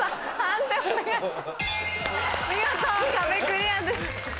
見事壁クリアです。